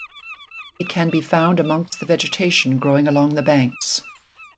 It can be found amongst the vegetation growing along the banks.